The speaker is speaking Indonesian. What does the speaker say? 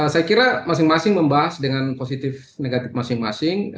saya kira masing masing membahas dengan positif negatif masing masing